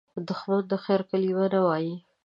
دښمن د خیر کلمه نه وايي